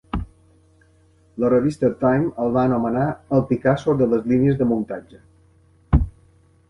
La revista "Time" el va anomenar el "Picasso de les línies de muntatge".